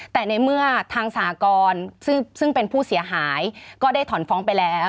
แต่ในเมื่อทางสหกรซึ่งเป็นผู้เสียหายก็ได้ถอนฟ้องไปแล้ว